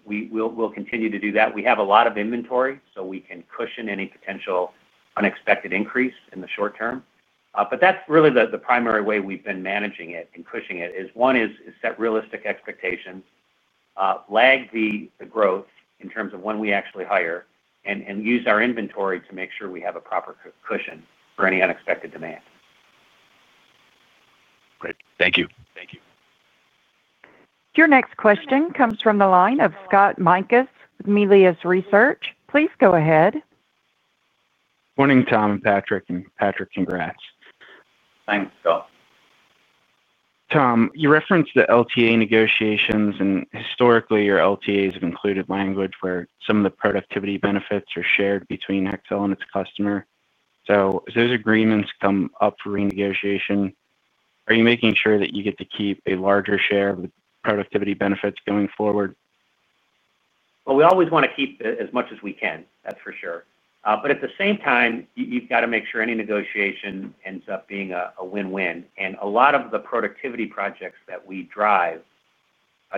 We will continue to do that. We have a lot of inventory, so we can cushion any potential unexpected increase in the short term. That is really the primary way we've been managing it and cushioning it: one is set realistic expectations, lag the growth in terms of when we actually hire, and use our inventory to make sure we have a proper cushion for any unexpected demand. Great. Thank you. Thank you. Your next question comes from the line of Scott Mikus with Melius Research. Please go ahead. Morning, Tom and Patrick. Patrick, congrats. Thanks, Scott. Tom, you referenced the LTA negotiations, and historically, your LTAs have included language where some of the productivity benefits are shared between Hexcel and its customer. As those agreements come up for renegotiation, are you making sure that you get to keep a larger share of the productivity benefits going forward? We always want to keep as much as we can, that's for sure. At the same time, you've got to make sure any negotiation ends up being a win-win. A lot of the productivity projects that we drive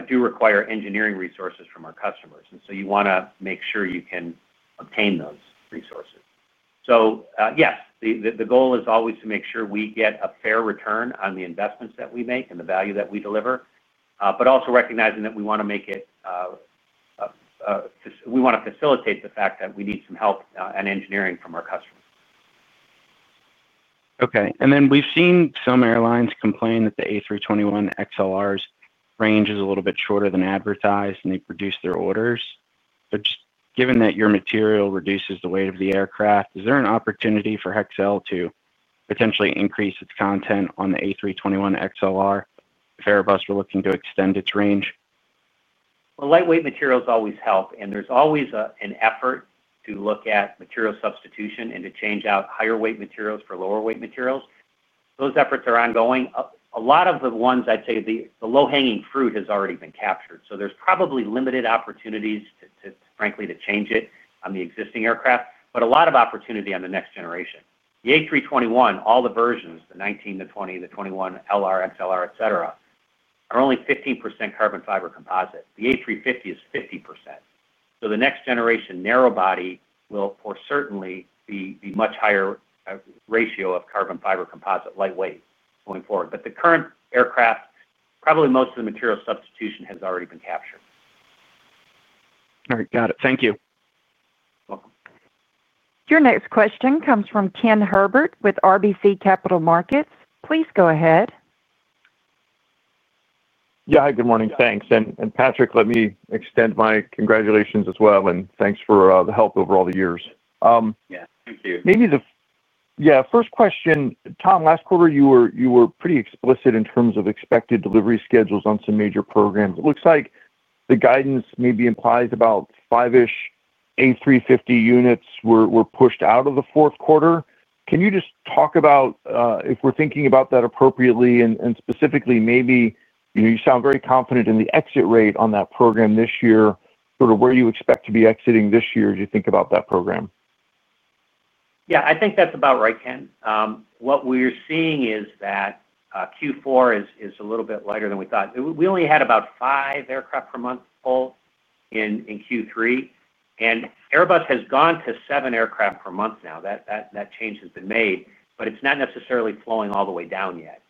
do require engineering resources from our customers, and you want to make sure you can obtain those resources. Yes, the goal is always to make sure we get a fair return on the investments that we make and the value that we deliver, but also recognizing that we want to facilitate the fact that we need some help and engineering from our customers. Okay. We've seen some airlines complain that the A321XLR's range is a little bit shorter than advertised, and they reduce their orders. Just given that your material reduces the weight of the aircraft, is there an opportunity for Hexcel to potentially increase its content on the A321XLR if Airbus were looking to extend its range? Lightweight materials always help, and there's always an effort to look at material substitution and to change out higher weight materials for lower weight materials. Those efforts are ongoing. A lot of the ones, I'd say the low-hanging fruit has already been captured. There's probably limited opportunities to, frankly, change it on the existing aircraft, but a lot of opportunity on the next generation. The A321, all the versions, the 19, the 20, the 21, LR, XLR, etc., are only 15% carbon fiber composite. The A350 is 50%. The next generation narrowbody will for certainly be a much higher ratio of carbon fiber composite lightweight going forward. The current aircraft, probably most of the material substitution has already been captured. All right. Got it. Thank you. Welcome. Your next question comes from Ken Herbert with RBC Capital Markets. Please go ahead. Yeah. Hi. Good morning. Thanks. Patrick, let me extend my congratulations as well, and thanks for the help over all the years. Yeah, thank you. Maybe the first question, Tom, last quarter you were pretty explicit in terms of expected delivery schedules on some major programs. It looks like the guidance maybe implies about five-ish A350 units were pushed out of the fourth quarter. Can you just talk about if we're thinking about that appropriately and specifically, maybe you know, you sound very confident in the exit rate on that program this year. Sort of where do you expect to be exiting this year as you think about that program? Yeah. I think that's about right, Ken. What we're seeing is that Q4 is a little bit lighter than we thought. We only had about five aircraft per month full in Q3, and Airbus has gone to seven aircraft per month now. That change has been made, but it's not necessarily flowing all the way down yet.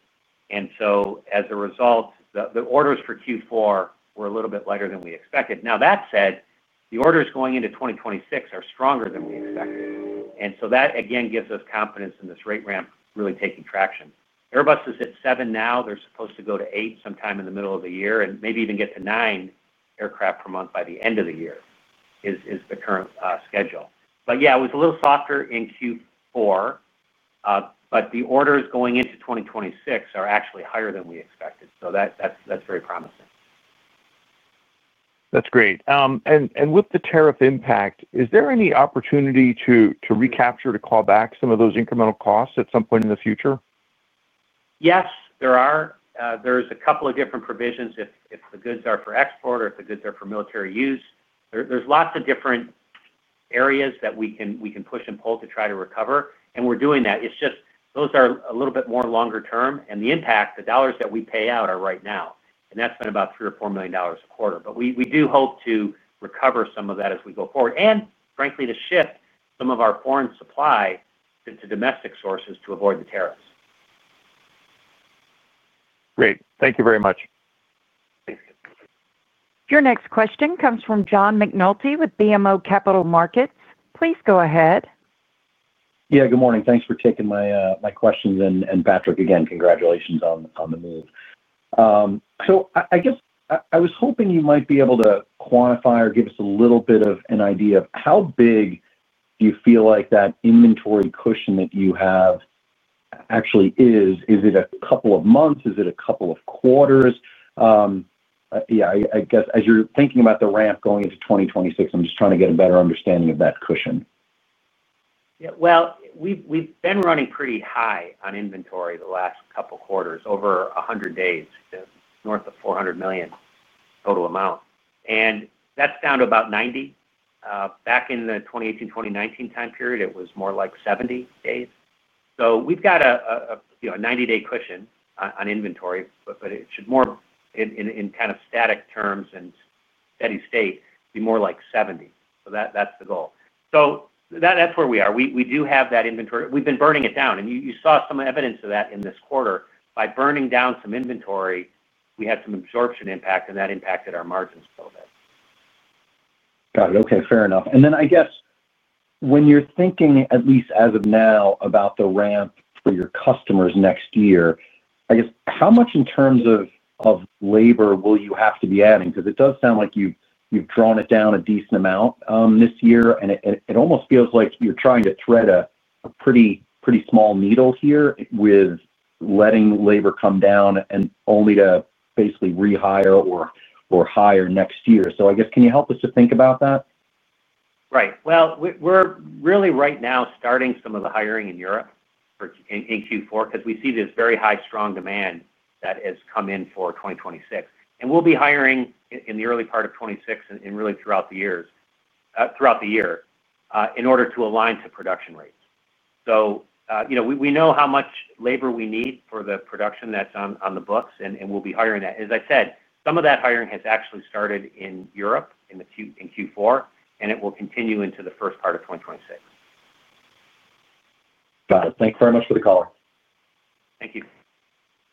As a result, the orders for Q4 were a little bit lighter than we expected. That said, the orders going into 2026 are stronger than we expected. That, again, gives us confidence in this rate ramp really taking traction. Airbus is at seven now. They're supposed to go to eight sometime in the middle of the year and maybe even get to nine aircraft per month by the end of the year, which is the current schedule. It was a little softer in Q4, but the orders going into 2026 are actually higher than we expected. That's very promising. That's great. With the tariff impact, is there any opportunity to recapture, to call back some of those incremental costs at some point in the future? Yes, there are. There's a couple of different provisions if the goods are for export or if the goods are for military use. There are lots of different areas that we can push and pull to try to recover, and we're doing that. It's just those are a little bit more longer term, and the impact, the dollars that we pay out are right now. That's been about $3 million or $4 million a quarter. We do hope to recover some of that as we go forward and, frankly, to shift some of our foreign supply to domestic sources to avoid the tariffs. Great. Thank you very much. Thank you. Your next question comes from John McNulty with BMO Capital Markets. Please go ahead. Good morning. Thanks for taking my questions. Patrick, again, congratulations on the move. I was hoping you might be able to quantify or give us a little bit of an idea of how big you feel like that inventory cushion that you have actually is. Is it a couple of months? Is it a couple of quarters? As you're thinking about the ramp going into 2026, I'm just trying to get a better understanding of that cushion. We've been running pretty high on inventory the last couple of quarters, over 100 days, north of $400 million total amount. That's down to about 90. Back in the 2018, 2019 time period, it was more like 70 days. We've got a 90-day cushion on inventory, but it should in kind of static terms and steady state be more like 70. That's the goal. That's where we are. We do have that inventory. We've been burning it down, and you saw some evidence of that in this quarter. By burning down some inventory, we had some absorption impact, and that impacted our margins a little bit. Got it. Okay. Fair enough. I guess when you're thinking, at least as of now, about the ramp for your customers next year, how much in terms of labor will you have to be adding? It does sound like you've drawn it down a decent amount this year, and it almost feels like you're trying to thread a pretty small needle here with letting labor come down and only to basically rehire or hire next year. I guess can you help us to think about that? Right. We're really right now starting some of the hiring in Europe in Q4 because we see this very high strong demand that has come in for 2026. We'll be hiring in the early part of 2026 and really throughout the year in order to align to production rates. You know we know how much labor we need for the production that's on the books, and we'll be hiring that. As I said, some of that hiring has actually started in Europe in Q4, and it will continue into the first part of 2026. Got it. Thanks very much for the call. Thank you.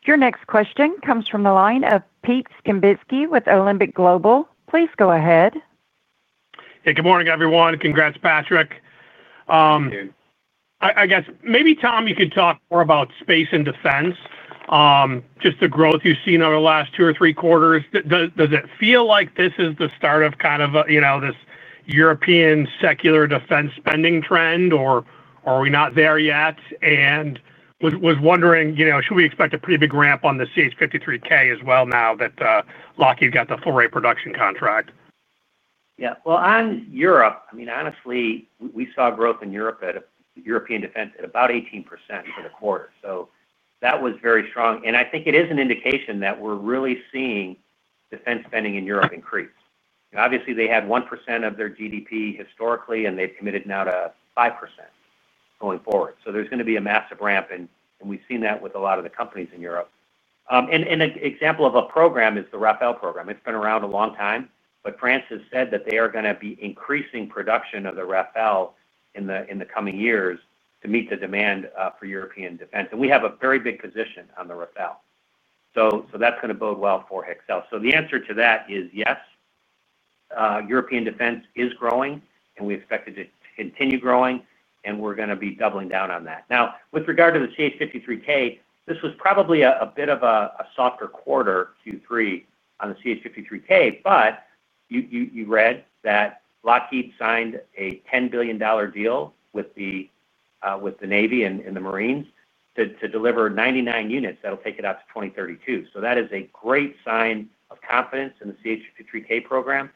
Your next question comes from the line of Pete Skibitski with Alembic Global. Please go ahead. Hey, good morning everyone. Congrats, Patrick. Thank you. I guess maybe, Tom, you could talk more about space and defense, just the growth you've seen over the last two or three quarters. Does it feel like this is the start of kind of a, you know, this European secular defense spending trend, or are we not there yet? I was wondering, you know, should we expect a pretty big ramp on the CH-53K as well now that Lockheed got the full-rate production contract? On Europe, honestly, we saw growth in Europe at European defense at about 18% for the quarter. That was very strong, and I think it is an indication that we're really seeing defense spending in Europe increase. Obviously, they had 1% of their GDP historically, and they've committed now to 5% going forward. There's going to be a massive ramp, and we've seen that with a lot of the companies in Europe. An example of a program is the Rafale program. It's been around a long time, but France has said that they are going to be increasing production of the Rafale in the coming years to meet the demand for European defense. We have a very big position on the Rafale, so that's going to bode well for Hexcel. The answer to that is yes, European defense is growing, and we expect it to continue growing, and we're going to be doubling down on that. With regard to the CH-53K, this was probably a bit of a softer quarter, Q3, on the CH-53K, but you read that Lockheed signed a $10 billion deal with the Navy and the Marines to deliver 99 units that'll take it out to 2032. That is a great sign of confidence in the CH-53K program.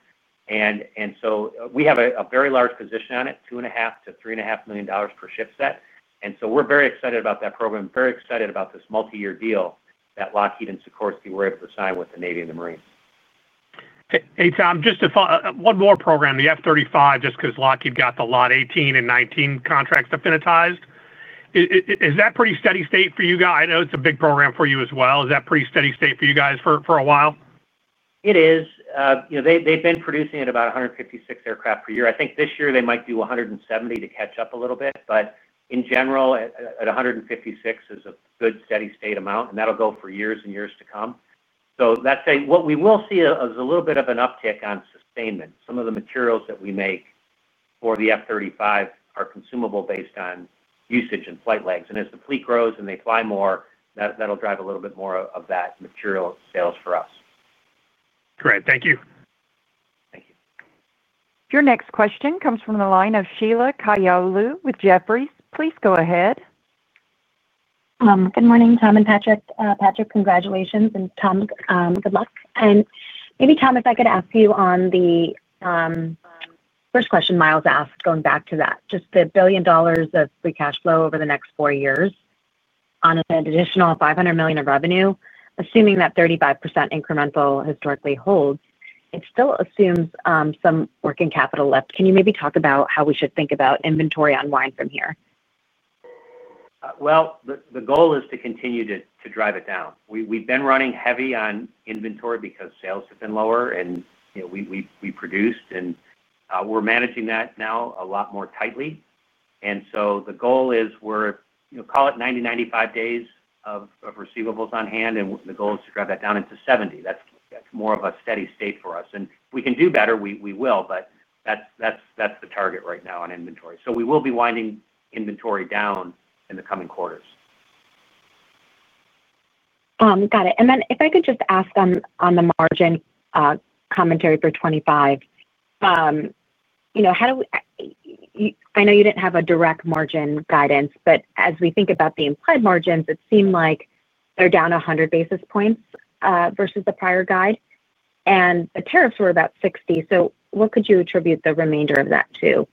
We have a very large position on it, $2.5 million-$3.5 million per ship set, and we're very excited about that program, very excited about this multi-year deal that Lockheed and Sikorsky were able to sign with the Navy and the Marines. Hey, Tom, just to follow up, one more program, the F-35, just because Lockheed got the Lot 18 and 19 contracts definitized. Is that pretty steady state for you guys? I know it's a big program for you as well. Is that pretty steady state for you guys for a while? It is. You know, they've been producing at about 156 aircraft per year. I think this year they might do 170 to catch up a little bit, but in general, 156 is a good steady state amount, and that'll go for years and years to come. What we will see is a little bit of an uptick on sustainment. Some of the materials that we make for the F-35 are consumable based on usage and flight legs. As the fleet grows and they fly more, that'll drive a little bit more of that material sales for us. Great. Thank you. Thank you. Your next question comes from the line of Sheila Kahyaoglu with Jefferies. Please go ahead. Good morning, Tom and Patrick. Patrick, congratulations, and Tom, good luck. Tom, if I could ask you on the first question Myles asked, going back to that, just the $1 billion of free cash flow over the next four years on an additional $500 million in revenue, assuming that 35% incremental historically holds, it still assumes some working capital left. Can you maybe talk about how we should think about inventory unwind from here? The goal is to continue to drive it down. We've been running heavy on inventory because sales have been lower, and we produced, and we're managing that now a lot more tightly. The goal is we're, you know, call it 90, 95 days of receivables on hand, and the goal is to drive that down into 70. That's more of a steady state for us. We can do better. We will, but that's the target right now on inventory. We will be winding inventory down in the coming quarters. Got it. If I could just ask on the margin commentary for 2025, I know you didn't have a direct margin guidance, but as we think about the implied margins, it seemed like they're down 100 basis points versus the prior guide, and the tariffs were about 60. What could you attribute the remainder of that to?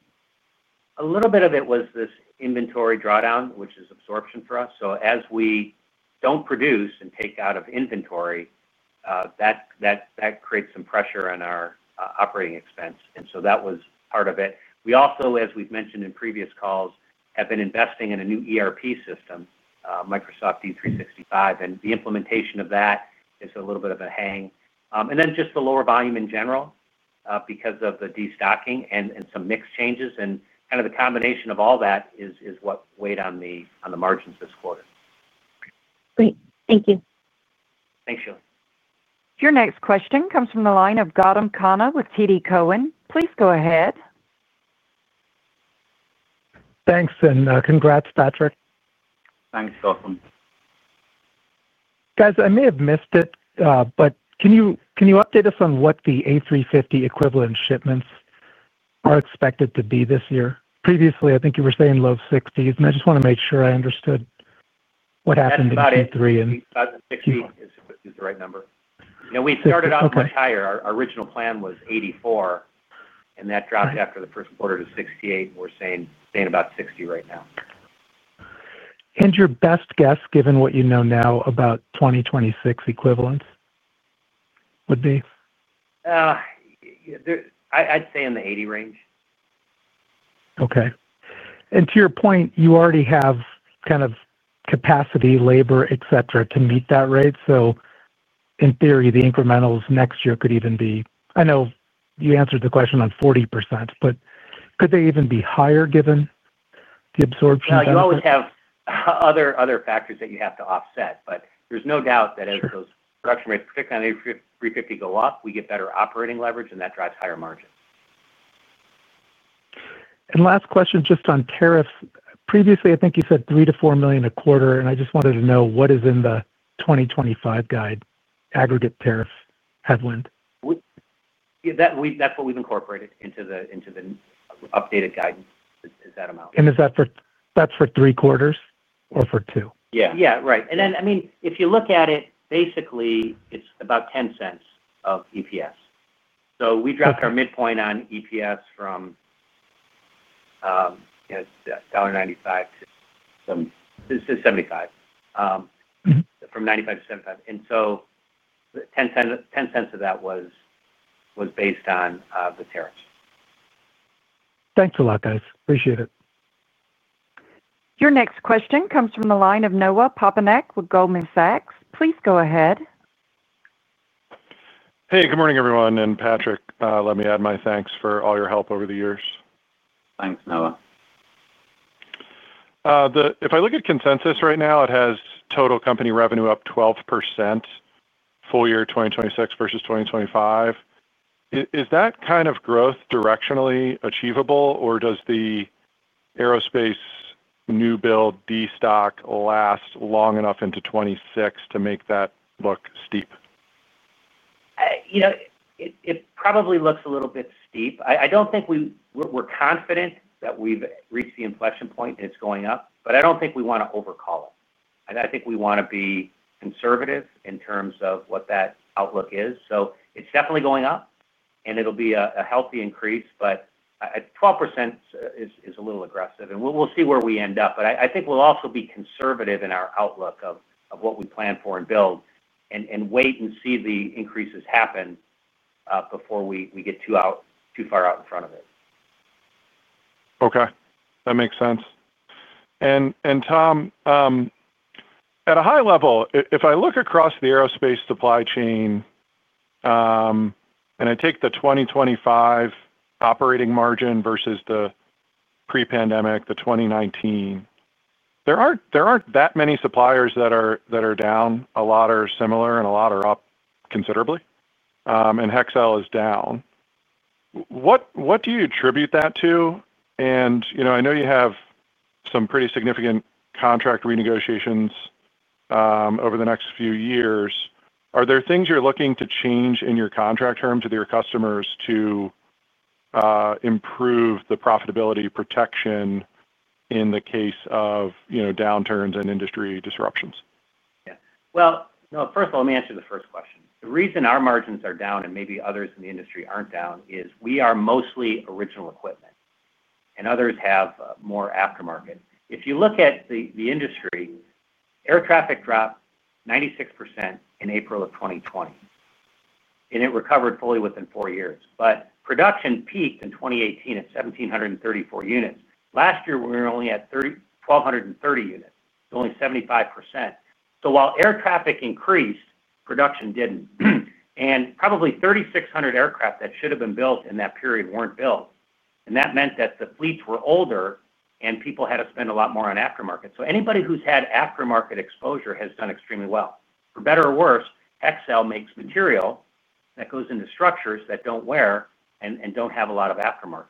A little bit of it was this inventory drawdown, which is absorption for us. As we don't produce and take out of inventory, that creates some pressure on our operating expense. That was part of it. We also, as we've mentioned in previous calls, have been investing in a new ERP system, Microsoft D365, and the implementation of that is a little bit of a hang. Just the lower volume in general because of the destocking and some mix changes, and kind of the combination of all that is what weighed on the margins this quarter. Great. Thank you. Thanks, Sheila. Your next question comes from the line of Gautam Khanna with TD Cowen. Please go ahead. Thanks, and congrats, Patrick. Thanks, Gautam. Guys, I may have missed it, but can you update us on what the A350 equivalent shipments are expected to be this year? Previously, I think you were saying low 60s, and I just want to make sure I understood what happened in Q3. I think 60 is the right number. You know, we started off much higher. Our original plan was 84, and that dropped after the first quarter to 68, and we're saying about 60 right now. Given what you know now about 2026 equivalents, would be your best guess? I'd say in the 80 range. Okay. To your point, you already have kind of capacity, labor, etc., to meet that rate. In theory, the incrementals next year could even be, I know you answered the question on 40%, but could they even be higher given the absorption? You always have other factors that you have to offset, but there's no doubt that as those production rates, particularly on the A350, go up, we get better operating leverage, and that drives higher margins. Last question just on tariffs. Previously, I think you said $3 million-$4 million a quarter, and I just wanted to know what is in the 2025 guide, aggregate tariff headwind. Yeah, that's what we've incorporated into the updated guidance, is that amount. Is that for three quarters or for two? Yeah, right. If you look at it, basically, it's about $0.10 of EPS. We dropped our midpoint on EPS from $1.95 -$1.75. From $1.95-$1.75, and the $0.10 of that was based on the tariffs. Thanks a lot, guys. Appreciate it. Your next question comes from the line of Noah Poponak with Goldman Sachs. Please go ahead. Good morning everyone. Patrick, let me add my thanks for all your help over the years. Thanks, Noah. If I look at consensus right now, it has total company revenue up 12% full year 2026 versus 2025. Is that kind of growth directionally achievable, or does the aerospace new build destock last long enough into 2026 to make that look steep? It probably looks a little bit steep. I don't think we're confident that we've reached the inflection point and it's going up, but I don't think we want to overcall it. I think we want to be conservative in terms of what that outlook is. It's definitely going up, and it'll be a healthy increase, but 12% is a little aggressive. We'll see where we end up. I think we'll also be conservative in our outlook of what we plan for and build and wait and see the increases happen before we get too far out in front of it. Okay. That makes sense. Tom, at a high level, if I look across the aerospace supply chain and I take the 2025 operating margin versus the pre-pandemic, the 2019, there aren't that many suppliers that are down. A lot are similar and a lot are up considerably. Hexcel is down. What do you attribute that to? I know you have some pretty significant contract renegotiations over the next few years. Are there things you're looking to change in your contract terms with your customers to improve the profitability protection in the case of downturns and industry disruptions? First of all, let me answer the first question. The reason our margins are down and maybe others in the industry aren't down is we are mostly original equipment and others have more aftermarket. If you look at the industry, air traffic dropped 96% in April 2020, and it recovered fully within four years. Production peaked in 2018 at 1,734 units. Last year, we were only at 1,230 units. It's only 75%. While air traffic increased, production didn't. Probably 3,600 aircraft that should have been built in that period weren't built. That meant that the fleets were older and people had to spend a lot more on aftermarket. Anybody who's had aftermarket exposure has done extremely well. For better or worse, Hexcel makes material that goes into structures that don't wear and don't have a lot of aftermarket.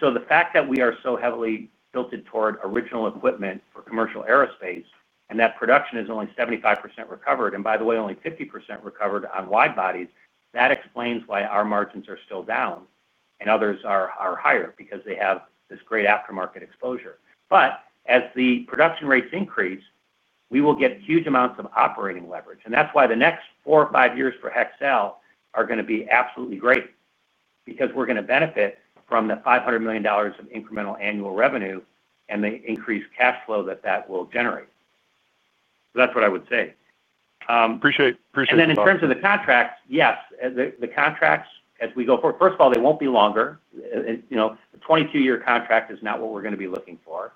The fact that we are so heavily tilted toward original equipment for commercial aerospace and that production is only 75% recovered, and by the way, only 50% recovered on wide bodies, explains why our margins are still down and others are higher because they have this great aftermarket exposure. As the production rates increase, we will get huge amounts of operating leverage. That's why the next four or five years for Hexcel are going to be absolutely great because we're going to benefit from the $500 million of incremental annual revenue and the increased cash flow that that will generate. That's what I would say. Appreciate it. In terms of the contracts, yes, the contracts as we go forward, first of all, they won't be longer. You know, a 22-year contract is not what we're going to be looking for.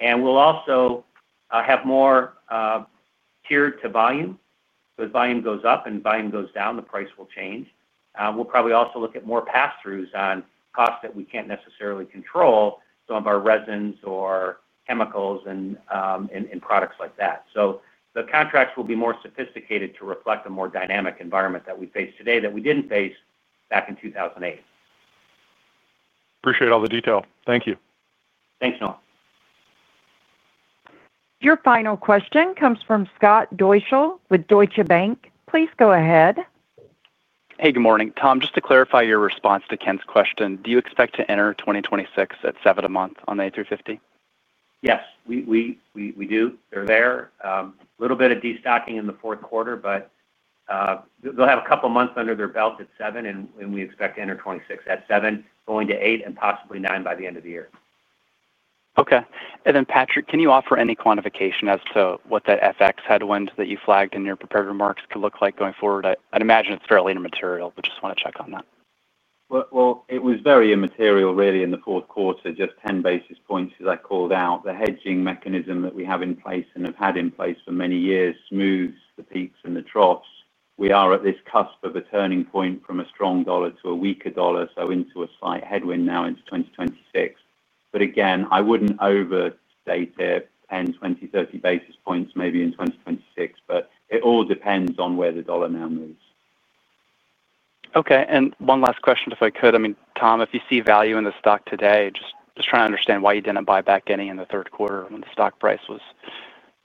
We'll also have more tiered to volume. As volume goes up and volume goes down, the price will change. We'll probably also look at more pass-throughs on costs that we can't necessarily control, some of our resins or chemicals and products like that. The contracts will be more sophisticated to reflect a more dynamic environment that we face today that we didn't face back in 2008. Appreciate all the detail. Thank you. Thanks, Noah. Your final question comes from Scott Deuschle with Deutsche Bank. Please go ahead. Hey, good morning. Tom, just to clarify your response to Ken's question, do you expect to enter 2026 at seven a month on the A350? Yes, we do. There is a little bit of destocking in the fourth quarter, but they'll have a couple of months under their belt at seven, and we expect to enter 2026 at seven, going to eight, and possibly nine by the end of the year. Okay. Patrick, can you offer any quantification as to what that FX headwind that you flagged in your prepared remarks could look like going forward? I'd imagine it's fairly immaterial, but just want to check on that. It was very immaterial really in the fourth quarter, just 10 basis points as I called out. The hedging mechanism that we have in place and have had in place for many years smooths the peaks and the troughs. We are at this cusp of a turning point from a strong dollar to a weaker dollar, so into a slight headwind now into 2026. Again, I wouldn't overstate it, 10, 20, 30 basis points maybe in 2026, but it all depends on where the dollar now moves. Okay. One last question, if I could. Tom, if you see value in the stock today, just trying to understand why you didn't buy back any in the third quarter when the stock price was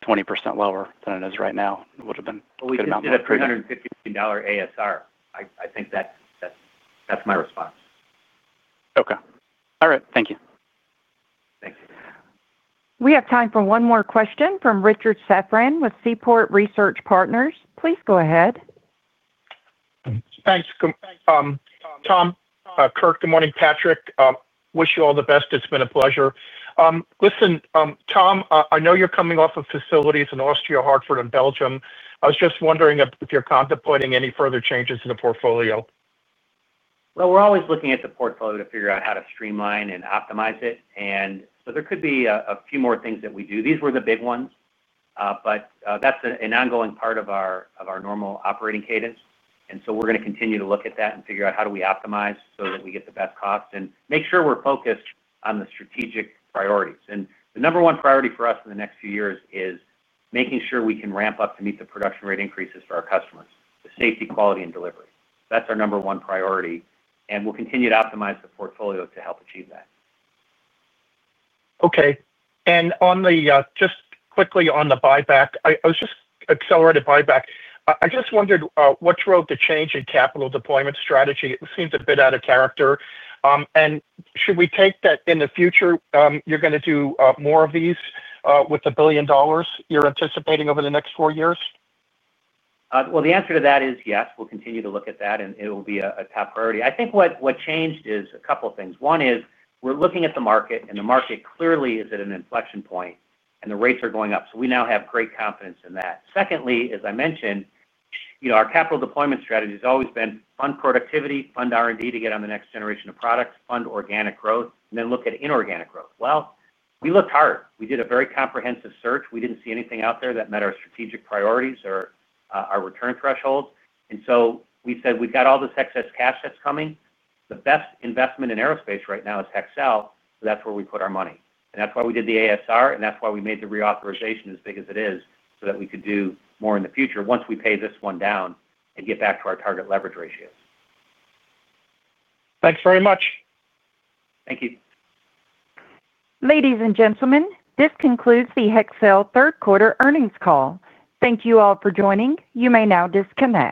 20% lower than it is right now. It would have been a good amount. We did a $352 million ASR. I think that's my response. Okay. All right. Thank you. Thank you. We have time for one more question from Richard Safran with Seaport Research Partners. Please go ahead. Thanks, Tom. Tom, good morning. Patrick, wish you all the best. It's been a pleasure. Listen, Tom, I know you're coming off of facilities in Austria, Hartford, and Belgium. I was just wondering if you're contemplating any further changes in the portfolio? We are always looking at the portfolio to figure out how to streamline and optimize it. There could be a few more things that we do. These were the big ones, but that's an ongoing part of our normal operating cadence. We are going to continue to look at that and figure out how do we optimize so that we get the best cost and make sure we're focused on the strategic priorities. The number one priority for us in the next few years is making sure we can ramp up to meet the production rate increases for our customers, the safety, quality, and delivery. That's our number one priority. We will continue to optimize the portfolio to help achieve that. Okay. On the just quickly on the buyback, it was just accelerated buyback. I just wondered what drove the change in capital deployment strategy. It seems a bit out of character. Should we take that in the future, you're going to do more of these with the $1 billion you're anticipating over the next four years? The answer to that is yes. We'll continue to look at that, and it will be a top priority. I think what changed is a couple of things. One is we're looking at the market, and the market clearly is at an inflection point, and the rates are going up. We now have great confidence in that. Secondly, as I mentioned, you know our capital deployment strategy has always been fund productivity, fund R&D to get on the next generation of products, fund organic growth, and then look at inorganic growth. We looked hard. We did a very comprehensive search. We didn't see anything out there that met our strategic priorities or our return thresholds. We said we've got all this excess cash that's coming. The best investment in aerospace right now is Hexcel, so that's where we put our money. That's why we did the ASR, and that's why we made the reauthorization as big as it is so that we could do more in the future once we pay this one down and get back to our target leverage ratios. Thanks very much. Thank you. Ladies and gentlemen, this concludes the Hexcel third quarter earnings call. Thank you all for joining. You may now disconnect.